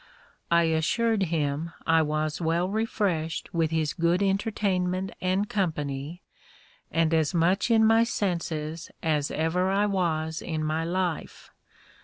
I assured him I was well refreshed with his good entertainment and company, and as much in my senses as ever I was in my life.